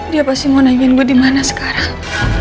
dia pasti mau nanyain gue dimana sekarang